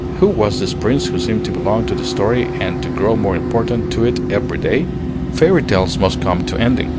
who was this Prince who seemed to belong to the story and to grow more important to it every day? Fairy tales must come to ending.